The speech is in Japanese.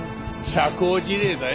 社交辞令だよ。